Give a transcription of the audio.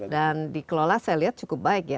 dan di kelola saya lihat cukup baik ya